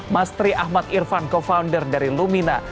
mastri ahmad irfan co founder dari lumina